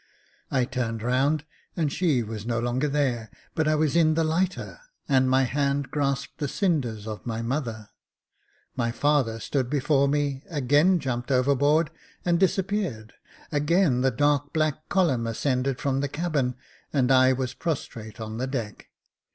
I turned round, and she was no longer there, but I was in the lighter, and my hand grasped the cinders of my mother ; my father stood before me, again jumped overboard and disappeared ; again the dark black column ascended from the cabin, and I was prostrate on the deck.